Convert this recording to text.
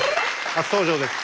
初登場です。